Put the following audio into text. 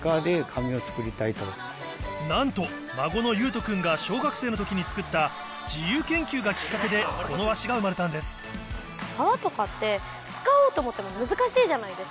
なんと孫の優翔君が小学生の時に作った自由研究がきっかけでこの和紙が生まれたんです皮とかって使おうと思っても難しいじゃないですか。